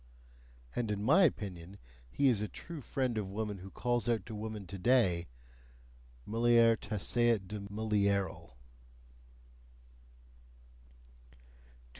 and in my opinion, he is a true friend of woman who calls out to women today: mulier taceat de mulierel. 233.